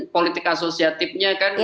politik asosiatifnya kan